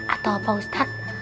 atau pak ustadz